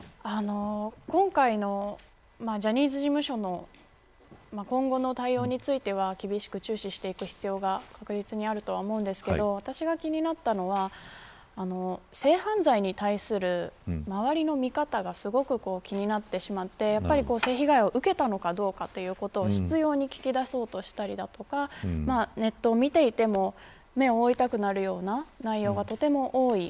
今回のジャニーズ事務所の今後の対応については厳しく注視していく必要が確実にあると思うんですけど私が気になったのは性犯罪に対する周りの見方がすごく気になってしまって性被害を受けたのかどうかということを、執拗に聞き出そうとしたりだとかネットを見ていても目を覆いたくなるような内容がとても多い。